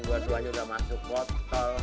gua dua duanya udah masuk botol